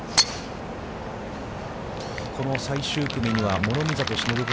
この最終組には諸見里しのぶ